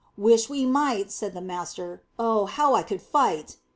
"Wish we might," said the master. "Oh, how I could fight!"